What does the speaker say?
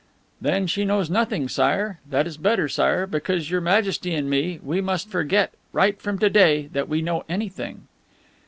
"Then she knows nothing, Sire. That is better, Sire, because Your Majesty and me, we must forget right from to day that we know anything."